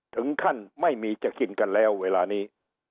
ถึงขั้นไม่มีจะกินกันแล้วเวลานี้